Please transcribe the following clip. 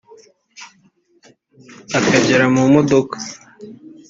Akigera mu modoka